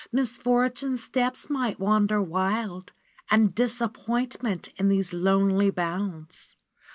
Misfortune's steps might wander wild; And Disappointment, in these lonely bounds.